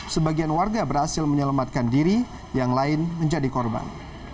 sebagian warga berhasil menyelamatkan diri yang lain menjadi korban